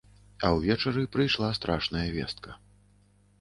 А ўвечары прыйшла страшная вестка.